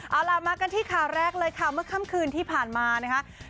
เอาล่ะมากันที่ข่าวแรกเลยค่ะเมื่อค่ำคืนที่ผ่านมานะคะ